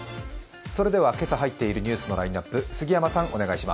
それでは今朝入っているニュースのラインナップ、杉山さん。